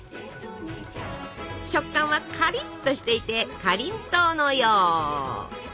食感はかりっとしていてかりんとうのよう！